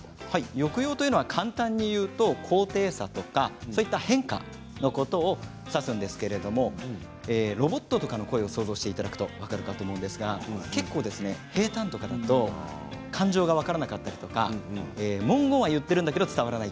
抑揚というのは簡単に言うと高低差とかそういった変化のことを指すんですけれどロボットとかの声を想像していただくと分かると思うんですが結構、平たんだと感情が分からなかったり文言は言っているんだけれども伝わらない。